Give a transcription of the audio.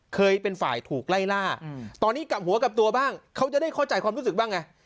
เคยเป็นฝ่ายถูกไล่ล่าตอนนี้กลับหัวกลับตัวบ้างเขาจะได้เข้าใจความรู้สึกบ้างไง